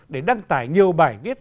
để đăng tải nhiều bài viết